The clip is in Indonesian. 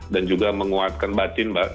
dan juga menguatkan batin mbak